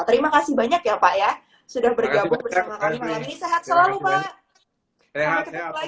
terima kasih banyak ya pak ya sudah bergabung bersama kami malam ini